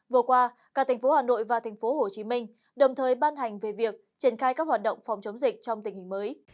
vừa qua cả thành phố hà nội và thành phố hồ chí minh đồng thời ban hành về việc triển khai các hoạt động phòng chống dịch trong tình hình mới